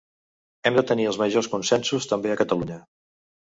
Hem de tenir els majors consensos també a Catalunya.